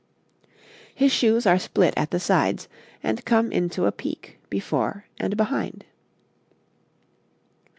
His shoes are split at the sides, and come into a peak before and behind.